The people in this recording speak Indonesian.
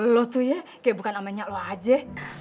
lo tuh ya kayak bukan namanya lo aja